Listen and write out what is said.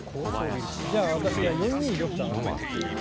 じゃあ私は４二玉と上がってみましょう。